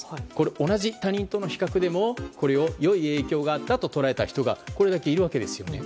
同じ他人との比較でも良い影響があったと捉えた人がこれだけいるわけですよね。